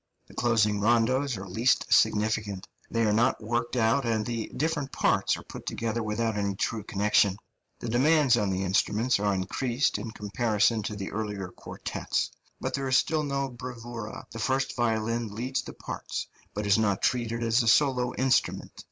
The closing rondos are least significant; they are not worked out, and the different parts are put together without any true connection. The demands on the instruments are increased in comparison to the earlier quartets, but there is still no bravura; the first violin leads the parts, but is not treated as a solo instrument.